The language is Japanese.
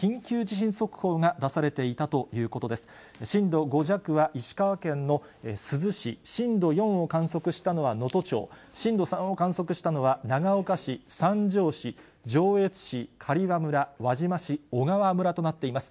震度５弱は石川県の珠洲市、震度４を観測したのは能登町、震度３を観測したのは長岡市、三条市、上越市、刈羽村、輪島市、小川村となっています。